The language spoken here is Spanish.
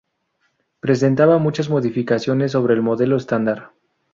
Presentaba muchas modificaciones sobre el modelo estándar.